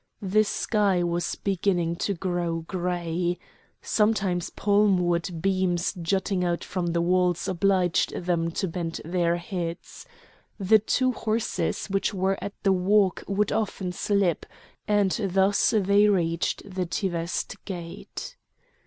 The sky was beginning to grow grey. Sometimes palm wood beams jutting out from the walls obliged them to bend their heads. The two horses which were at the walk would often slip; and thus they reached the Teveste gate.